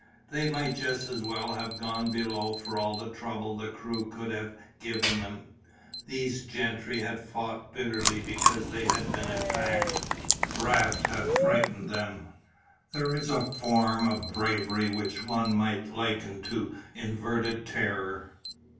They might just as well have gone below for all the trouble the crew could have given them. These gentry had fought bitterly because they had been attacked. Raft had frightened them. There is a form of bravery which one might liken to inverted terror.